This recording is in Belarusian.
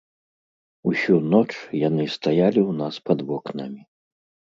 Усю ноч яны стаялі ў нас пад вокнамі.